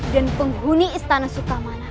dan penghuni istana sukamona